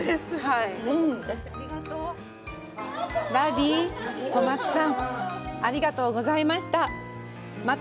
ラビー、小松さん、ありがとうございました。